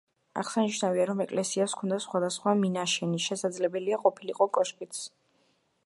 აღსანიშნავია, რომ ეკლესიას ჰქონდა სხვადასხვა მინაშენი, შესაძლებელია ყოფილიყო კოშკიც.